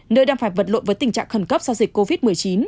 nơi đang phải vật lộn với tình trạng khẩn cấp do dịch covid một mươi chín